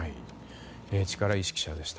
力石記者でした。